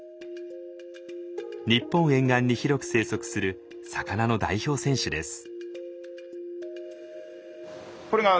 日本沿岸に広く生息する魚の代表選手です。